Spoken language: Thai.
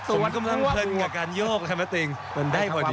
ส่วนกำลังเพิ่งกับการโยกครับมัตติงมันได้พอดี